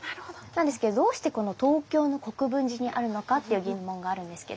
なんですけどどうしてこの東京の国分寺にあるのかっていう疑問があるんですけども。